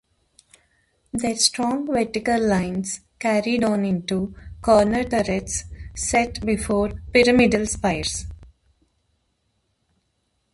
Their strong vertical lines carried on into corner turrets set before pyramidal spires.